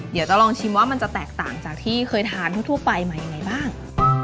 เดี๋ยวจะลองชิมว่ามันจะแตกต่างจากที่เคยทานทั่วไปมายังไงบ้าง